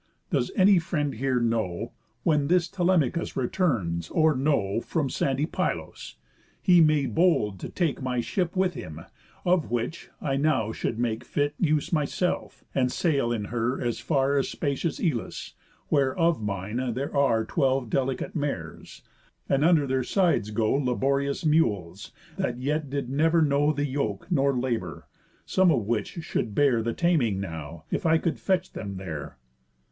Does any friend here know, When this Telemachus returns, or no, From sandy Pylos? He made bold to take My ship with him; of which, I now should make Fit use myself, and sail in her as far As spacious Elis, where of mine there are Twelve delicate mares, and under their sides go Laborious mules, that yet did never know The yoke, nor labour; some of which should bear The taming now, if I could fetch them there."